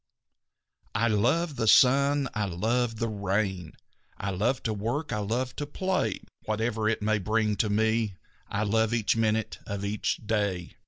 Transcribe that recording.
"I love the sun; I love the rain; I love to work; I love to play. Whatever it may bring to me I love each minute of each day."